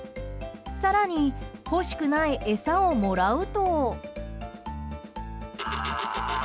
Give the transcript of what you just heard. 更に欲しくない餌をもらうと。